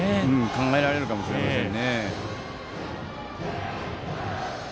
考えられるかもしれません。